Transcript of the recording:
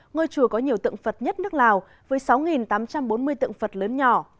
ngôi chùa có nhiều tượng phật nhất nước lào với sáu tám trăm bốn mươi tượng phật lớn nhỏ